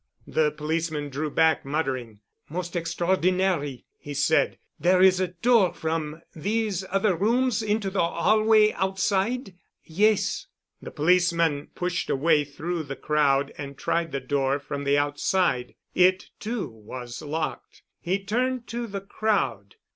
The policeman drew back muttering. "Most extraordinary!" he said. "There is a door from these other rooms into the hallway outside?" "Yes." The policeman pushed a way through the crowd and tried the door from the outside. It, too, was locked. He turned to the crowd.